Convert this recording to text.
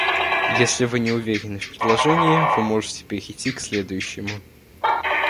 Если вы не уверены в предложении, вы можете перейти к следующему.